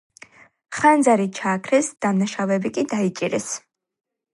ხანძარი ჩააქრეს, დამნაშავეები კი დაიჭირეს.